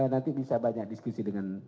nanti bisa banyak diskusi dengan